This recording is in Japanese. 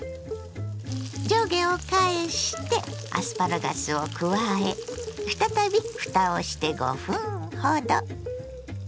上下を返してアスパラガスを加え再びふたをして５分ほど。